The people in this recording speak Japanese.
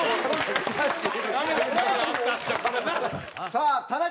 さあ田中！